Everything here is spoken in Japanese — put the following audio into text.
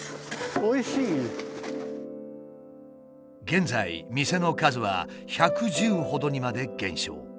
現在店の数は１１０ほどにまで減少。